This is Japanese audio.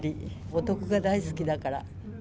お得が大好きだから。